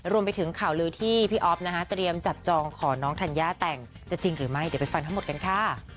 รวมไปถึงข่าวลือที่พี่อ๊อฟนะคะเตรียมจับจองขอน้องธัญญาแต่งจะจริงหรือไม่เดี๋ยวไปฟังทั้งหมดกันค่ะ